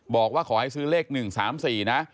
บอกว่าขอให้ซื้อเลขหนึ่งสามสี่นะ